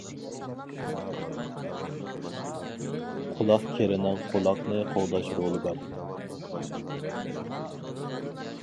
قۇلاق كىرىنىڭ قۇلاقنى قوغداش رولى بار.